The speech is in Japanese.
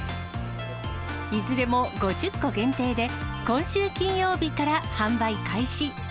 いずれも５０個限定で、今週金曜日から販売開始。